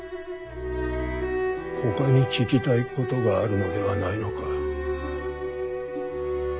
ほかに聞きたいことがあるのではないのか？